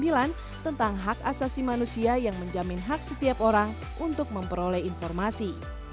di tahun seribu sembilan ratus sembilan puluh sembilan tentang hak asasi manusia yang menjamin hak setiap orang untuk memperoleh informasi